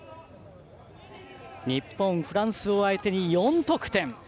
日本、フランスを相手に４得点！